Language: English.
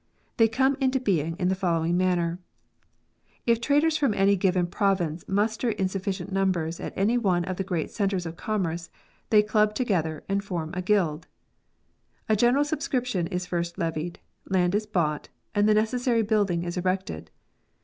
They come into being in the following manner. If traders from any given province muster in sufficient numbers at any of the great centres of commerce, they club to gether and form a guild. A general subscription is first levied, land is bought, and the necessary building is erected.